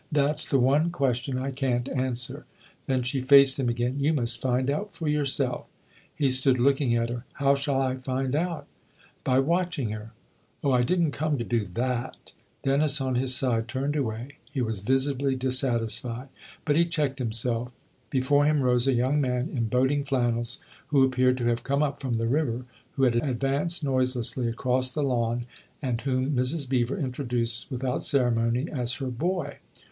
" That's the one question I can't answer." Then she faced him again. "You must find out for yourself." He stood looking at her. " How shall I find out?" 126 THE OTHER HOUSE " By watching her." " Oh, I didn't come to do that !" Dennis, on his side, turned away ; he was visibly dissatisfied. But he checked himself; before him rose a young man in boating flannels, who appeared to have come up from the river, who. had advanced noiselessly across the lawn and whom Mrs. Beever introduced with out ceremony as her " boy."